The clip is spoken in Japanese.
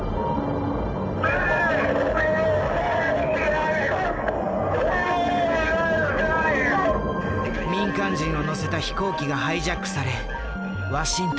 民間人を乗せた飛行機がハイジャックされワシントンへ。